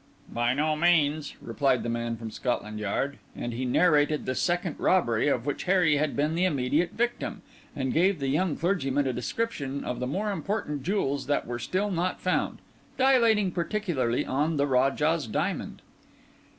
"By no means," replied the man from Scotland Yard; and he narrated the second robbery of which Harry had been the immediate victim, and gave the young clergyman a description of the more important jewels that were still not found, dilating particularly on the Rajah's Diamond.